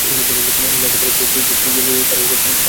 গ্লাসে বরফ দিয়ে বিটরুট জুস ঢেলে তার ওপর নারিকেলের পানি দিন।